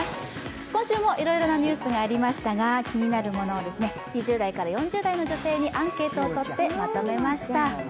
今週もいろいろなニュースがありましたが、気になるものを２０代から４０代の女性からアンケートをとってまとめました。